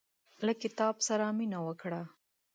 له کتاب سره مينه وکړه.